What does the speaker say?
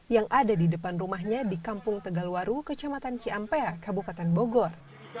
yang ada di depan rumahnya di kampung tegalwaru kecamatan ciampea kabupaten bogor